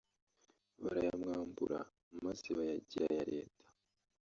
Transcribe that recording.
barayamwambura maze bayagira aya Leta